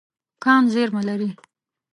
کان زیرمه لري.